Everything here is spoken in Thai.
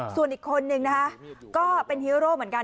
ส่วนอีกคนนึงนะคะก็เป็นฮีโร่เหมือนกัน